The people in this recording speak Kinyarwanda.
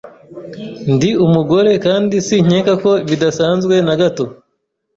Ndi umugore kandi sinkeka ko bidasanzwe na gato.